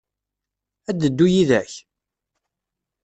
Ad d-teddu yid-k?